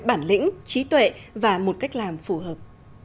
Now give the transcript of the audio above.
bản lĩnh trí tuệ và một cách làm phù hợp